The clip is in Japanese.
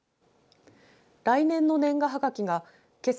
来年の年賀はがきがけさ